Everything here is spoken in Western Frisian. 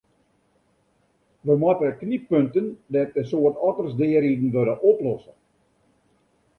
We moatte knyppunten dêr't in soad otters deariden wurde, oplosse.